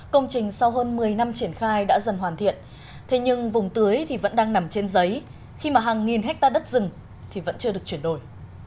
công trình sau hơn một mươi năm triển khai đã dần hoàn thiện thế nhưng vùng tưới thì vẫn đang nằm trên giấy khi mà hàng nghìn hectare đất rừng thì vẫn chưa được chuyển đổi